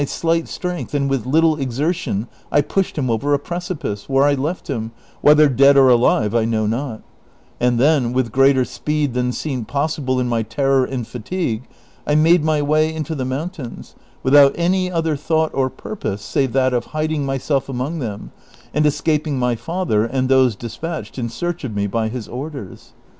slight strength and with little exertion 1 pushed him over a preci pice, where I left him, whether dead or alive 1 know not; and then, witli greater speed than seemed possible in my terror and fatigue, I made my way into the mountains, without any other thouglit or pur pose save that of hiding myself among them, and escaping my father and those despatched in search of me by his orders.